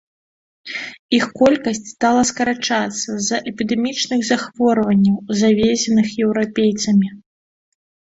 Іх колькасць стала скарачалася з-за эпідэмічных захворванняў, завезеных еўрапейцамі.